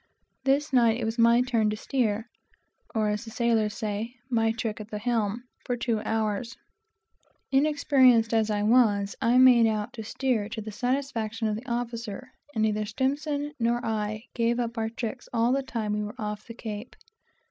This night it was my turn to steer, or, as the sailors say, my trick at the helm, for two hours. Inexperienced as I was, I made out to steer to the satisfaction of the officer, and neither S nor myself gave up our tricks, all the time that we were off the Cape.